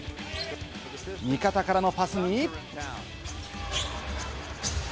味方からのパスに。